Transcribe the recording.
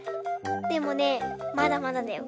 でもねまだまだだよ。